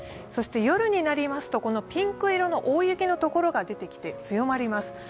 そして夜になりますとピンク色の大雪の所が出てきて強まります。